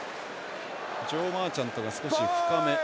ジョー・マーチャントが少し深め。